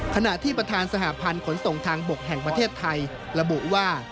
ขณะที่ประธานสหพันธ์ขนส่งทางบกแห่งประเทศไทยระบุว่า